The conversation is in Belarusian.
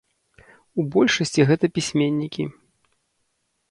У большасці гэта пісьменнікі.